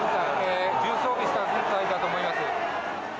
重装備した軍隊だと思います。